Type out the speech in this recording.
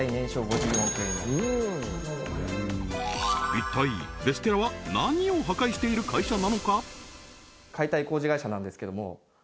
一体ベステラは何を破壊している会社なのか？